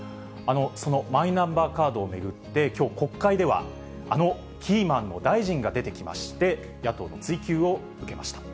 そのマイナンバーカードを巡って、きょう、国会ではあのキーマンの大臣が出てきまして、野党の追及を受けました。